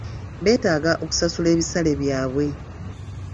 Beetaaga okusasula ebisale byabwe .